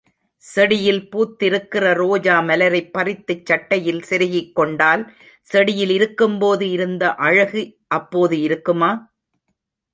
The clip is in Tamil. செடியில் பூத்திருக்கிற ரோஜா மலரைப் பறித்துச் சட்டையில் செருகிக் கொண்டால் செடியில் இருக்கும்போது இருந்த அழகு அப்போது இருக்குமா?